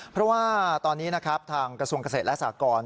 เพราะว่าตอนนี้นะครับทางกระทรวงเกษตรและสากร